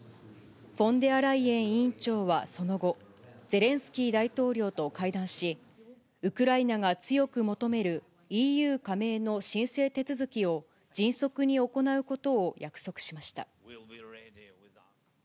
フォンデアライエン委員長はその後、ゼレンスキー大統領と会談し、ウクライナが強く求めるＥＵ加盟の申請手続きを、迅速に行うことを約束しました。